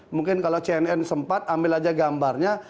mungkin kalau cnn sempat ambil aja gambarnya